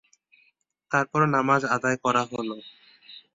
তারপর নামায আদায় করা হল।